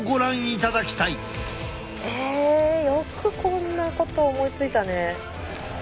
えよくこんなこと思いついたね。